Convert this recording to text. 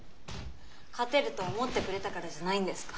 勝てると思ってくれたからじゃないんですか？